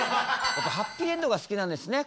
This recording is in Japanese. やっぱハッピーエンドが好きなんですね